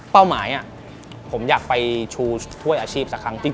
หมายผมอยากไปชูถ้วยอาชีพสักครั้ง